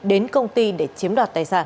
đến công ty để chiếm đoạt tài sản